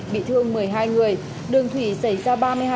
bị thương một mươi hai người